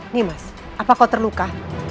nimas apa kau terluka